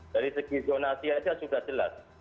dari segi zonasi saja sudah jelas